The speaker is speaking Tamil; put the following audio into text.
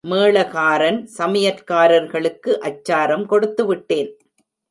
மேளகாரன், சமையற்காரர்களுக்கு அச்சாரம் கொடுத்துவிட்டேன்.